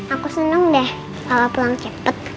aku seneng deh kalau pulang cepet